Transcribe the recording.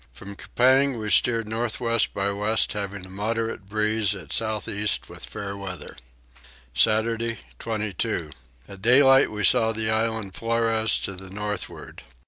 From Coupang we steered north west by west having a moderate breeze at south east with fair weather. Saturday 22. At daylight we saw the island Flores to the northward.